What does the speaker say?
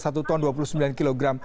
sampai satu ton dua puluh sembilan kg